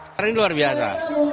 hari ini luar biasa